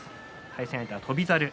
対戦相手は、翔猿。